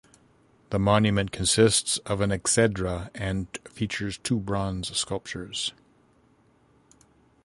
The monument consists of an exedra and features two bronze sculptures.